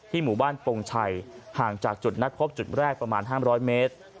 หมู่บ้านปงชัยห่างจากจุดนัดพบจุดแรกประมาณ๕๐๐เมตร